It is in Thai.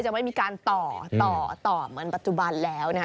ไม่มีการต่อต่อเหมือนปัจจุบันแล้ว